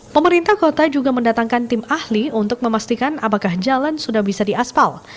pemerintah kota juga mendatangkan tim ahli untuk memastikan apakah jalan sudah bisa diaspal